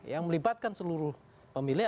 yang melibatkan seluruh pemilih